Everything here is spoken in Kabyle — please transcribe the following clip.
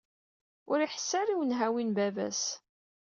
Ur iḥess ara i nnhawi n baba-s.